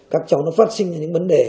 các cháu nó phát sinh những vấn đề